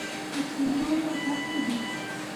د چینو اوبه پاکې دي